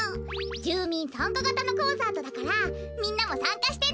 じゅうみんさんかがたのコンサートだからみんなもさんかしてね！